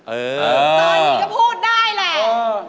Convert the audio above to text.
เออเออเออตอนนี้ก็พูดได้แหละ